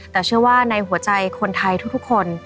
แต่เชื่อว่าในหัวใจคนไทยทุกคน